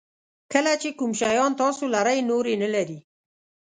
کله چې کوم شیان تاسو لرئ نور یې نه لري.